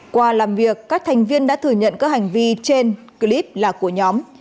qua làm việc các thành viên đã thừa nhận các hành vi trên clip là của nhóm